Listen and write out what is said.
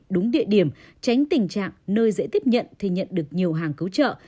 đúng địa điểm tránh tình trạng nơi dễ tiếp nhận thì nhận được nhiều hàng cứu trợ